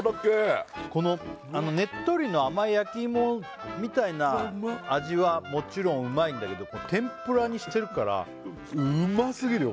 ねっとりの甘い焼き芋みたいな味はもちろんうまいんだけど天ぷらにしてるからうますぎるよ